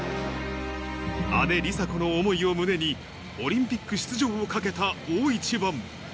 姉、梨紗子の思いを胸に、オリンピック出場をかけた大一番。